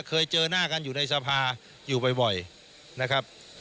เคยเจอหน้ากันอยู่ในสภาอยู่บ่อยนะครับ